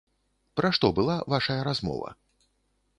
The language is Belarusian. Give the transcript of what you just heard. Пра што была вашая размова?